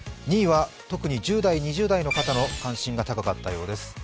２位は特に１０代、２０代の方の関心が高かったようです。